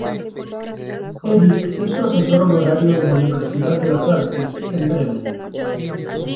Erik es Profesor Honorario de la Universidad de las Artes en Bremen.